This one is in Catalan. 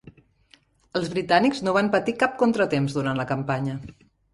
Els britànics no van patir cap contratemps durant la campanya.